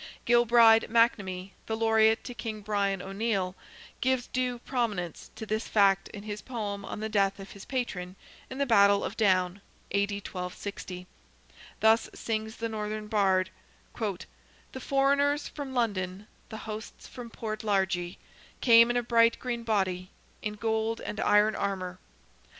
Gilbride McNamee, the laureate to King Brian O'Neil, gives due prominence to this fact in his poem on the death of his patron in the battle of Down (A.D. 1260). Thus sings the northern bard— "The foreigners from London, The hosts from Port Largy * Came in a bright green body, In gold and iron armour.